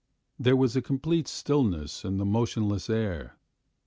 There was a complete stillness in the motionless air.